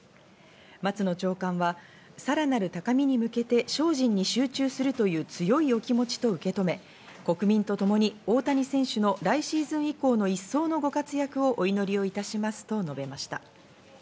松野長官はさらなる高みに向けて精進に集中するという強いお気持ちと受け止め国民とともに大谷選手の来シーズン以降の一層のご活躍をお祈りをいたしますと述べました。